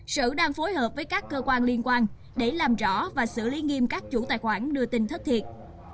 sở đang phối hợp với các cơ quan liên quan để làm rõ và xử lý nghiêm các chủ tài khoản đưa tin thất thiệt